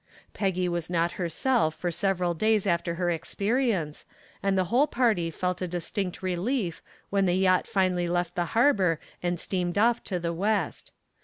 Peggy was not herself for several days after her experience, and the whole party felt a distinct relief when the yacht finally left the harbor and steamed off to the west.